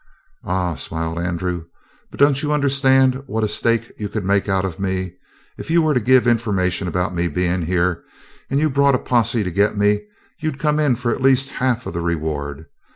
"Ah," smiled Andrew, "but you don't understand what a stake you could make out of me. If you were to give information about me being here, and you brought a posse to get me, you'd come in for at least half of the reward.